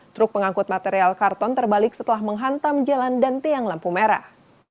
truk pengangkut material karton terbalik setelah menghantam jalan dan tiang lampu merah